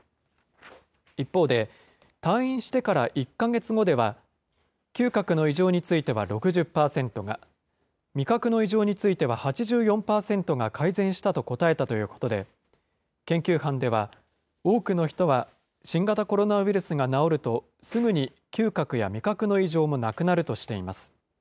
一方で、退院してから１か月後では、嗅覚の異常については６０％が、味覚の異常については８４％が改善したと答えたということで、研究班では、多くの人は新型コロナウイルスが治るとすぐに嗅覚や味覚の異常もなくなるとしています。